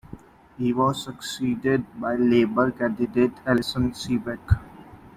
He was succeeded by Labour candidate Alison Seabeck.